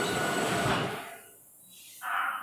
آیا کلیسا په سیاست کي لاسوهنه کوله؟